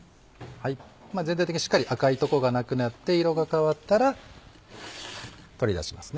全体的にしっかり赤い所がなくなって色が変わったら取り出します。